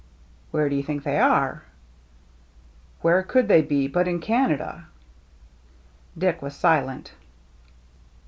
" Where do you think they are ?"" Where could they be but in Canada ?" Dick was silent.